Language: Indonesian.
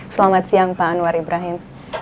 selamat siang pak anwar ibrahim